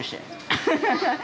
アハハハ！